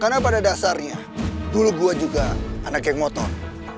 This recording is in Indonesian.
karena pada dasarnya dulu gue juga anak geng motor